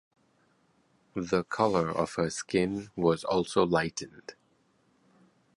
The color of her skin was also lightened.